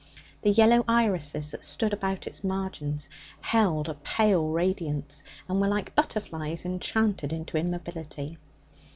The yellow irises that stood about its marges held a pale radiance, and were like butterflies enchanted into immobility.